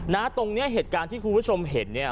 ตรงนี้เหตุการณ์ที่คุณผู้ชมเห็นเนี่ย